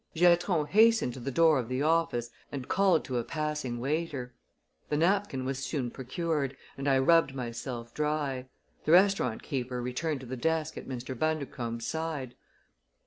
Giatron hastened to the door of the office and called to a passing waiter. The napkin was soon procured and I rubbed myself dry. The restaurant keeper returned to the desk at Mr. Bundercombe's side.